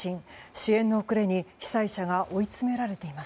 支援の遅れに被災者が追い詰められています。